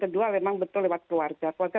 kedua memang betul lewat keluarga keluarga